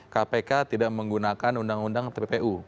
kpk tidak menggunakan undang undang tppu